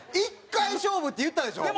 １回勝負って言ったでしょ？